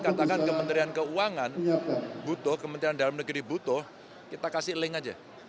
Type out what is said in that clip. katakan kementerian keuangan butuh kementerian dalam negeri butuh kita kasih link aja